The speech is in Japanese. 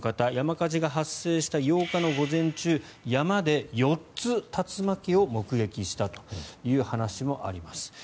火事が発生した８日の午前中山で４つ、竜巻を目撃したという話もあります。